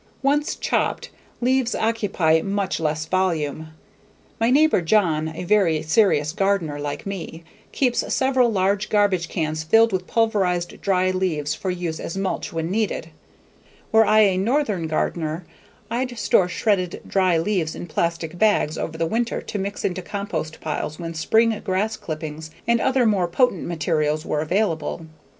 Once chopped, leaves occupy much less volume. My neighbor, John, a very serious gardener like me, keeps several large garbage cans filled with pulverized dry leaves for use as mulch when needed. Were I a northern gardener I'd store shredded dry leaves in plastic bags over the winter to mix into compost piles when spring grass clippings and other more potent materials were available.